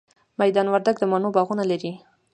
میدان وردګ د مڼو باغونه لري